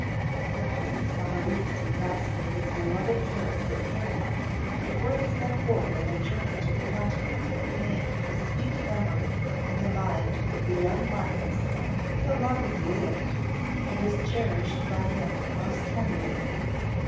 _" The heavenly summer weeks he passed with his beloved parents at Camylott before they set forth on their journey to the Continent remained a sweet memory in the mind of the young Marquess so long as he lived, and was cherished by him most tenderly.